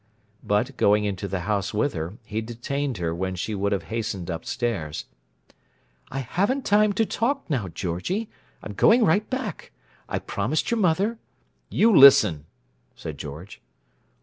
But, going into the house with her, he detained her when she would have hastened upstairs. "I haven't time to talk now, Georgie; I'm going right back. I promised your mother—" "You listen!" said George.